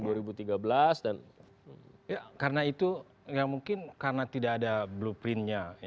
ya karena itu ya mungkin karena tidak ada blueprintnya